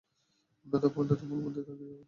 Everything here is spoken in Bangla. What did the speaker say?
অন্যথায়, পান্ডা তোমার মধ্যেই থেকে যাবে।